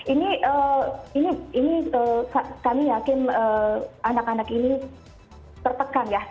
ini kami yakin anak anak ini tertekan ya